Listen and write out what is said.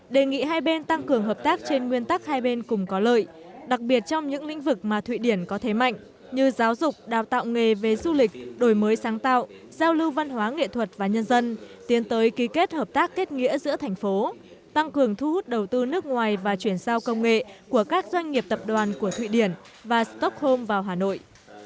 đề nghị hai bên tăng cường hợp tác trên nguyên tắc hai bên cùng có lợi đặc biệt trong những lĩnh vực mà thụy điển có thế mạnh như giáo dục đào tạo nghề về du lịch đổi mới sáng tạo giao lưu văn hóa nghệ thuật và nhân dân tiến tới ký kết hợp tác kết nghĩa giữa thành phố tăng cường thu hút đầu tư nước ngoài và chuyển sao công nghệ của các doanh nghiệp tập đoàn của thụy điển và stockholm vào hà nội